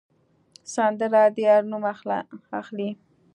سندره د یار نوم اخلي